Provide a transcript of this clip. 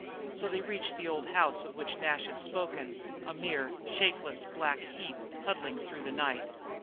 So they reached the old house of which Nash had spoken a mere, shapeless, black heap huddling through the night.